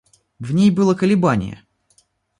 В ней было колебание.